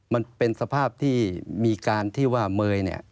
มันเป็นสภาพที่มีการที่ว่าเมย์เนี่ย